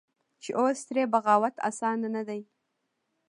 چې اوس ترې بغاوت اسانه نه دى.